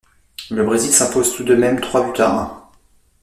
Le Brésil s'impose tout de même trois buts à un.